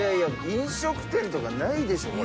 飲食店とかないでしょこれ。